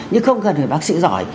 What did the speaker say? nhưng không cần phải bác sĩ giỏi